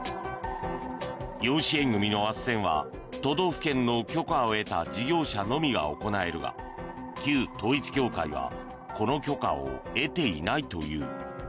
養子縁組のあっせんは都道府県の許可を得た事業者のみが行えるが旧統一教会はこの許可を得ていないという。